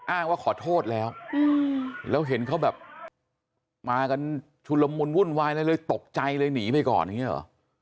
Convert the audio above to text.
อ้างว่าขอโทษแล้วแล้วเห็นเขาแบบมากันชุลมุนวุ่นวายอะไรเลยตกใจเลยหนีไปก่อนอย่างนี้หรอ